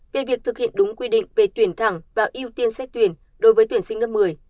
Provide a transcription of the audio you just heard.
về việc thực hiện đúng quy định về tuyển thẳng và ưu tiên xét tuyển đối với tuyển sinh lớp một mươi